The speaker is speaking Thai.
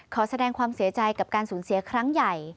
ขอแสดงความเสียใจกับการสูญเสียครั้งใหญ่